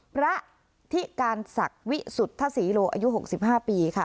พระที่การศักดิ์วิสุทธิ์ท่าศรีโลอายุหกสิบห้าปีค่ะ